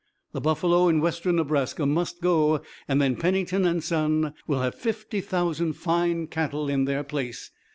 The buffalo in Western Nebraska must go and then Pennington and Son will have fifty thousand fine cattle in their place.